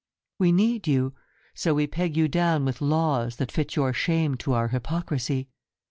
We need you, so we peg you down with laws That fit your shame to our hypocrisy.